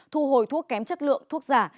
thu hồi thuốc kém chất lượng thuốc giả